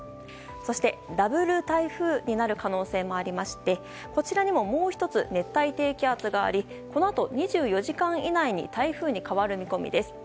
そして、ダブル台風になる可能性もありましてこちらにももう１つ熱帯低気圧がありこのあと２４時間以内に台風に変わる見込みです。